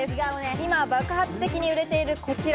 今爆発的に売れている、こちら。